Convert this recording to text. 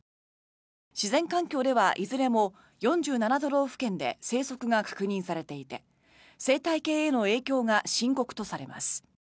自然環境ではいずれも４７都道府県で生息が確認されていて生態系への影響が深刻とされます。